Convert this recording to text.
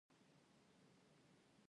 دوی د بېوزلۍ له امله له رنځ سره مخ دي.